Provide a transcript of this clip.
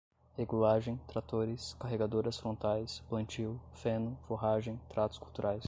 regulagem, tratores, carregadoras frontais, plantio, feno, forragem, tratos culturais